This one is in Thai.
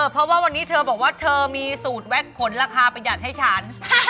เพราะว่าวันนี้เธอบอกว่าเธอมีสูตรแว็กขนราคาประหยัดให้ฉัน